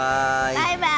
バイバイ！